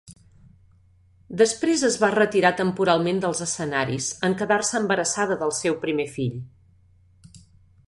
Després es va retirar temporalment dels escenaris en quedar-se embarassada del seu primer fill.